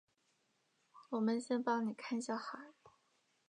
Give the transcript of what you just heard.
我们先帮妳看小孩